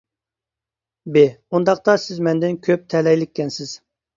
ب: ئۇنداقتا سىز مەندىن كۆپ تەلەيلىككەنسىز.